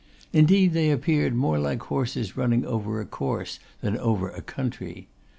Indeed, they appeared more like horses running over a course than over a country.